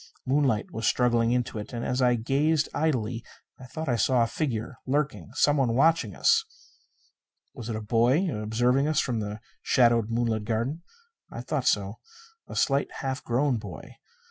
Moonlight was struggling into it. And, as I gazed idly, I thought I saw a figure lurking. Someone watching us. Was it a boy, observing us from the shadowed moonlit garden? I thought so. A slight, half grown boy.